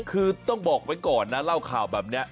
คือต้องบอกไว้ก่อนนะเล่าข่าวแบบนี้